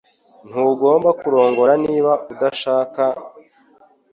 Ntugomba kurongora niba udashaka